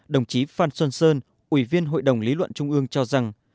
đồng chí phan xuân sơn ủy viên hội đồng lý luận trung ương cho rằng